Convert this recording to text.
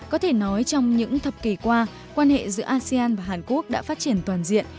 có thể nói trong những thập kỷ qua quan hệ giữa asean và hàn quốc đã phát triển toàn diện